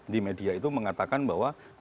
di media itu mengatakan bahwa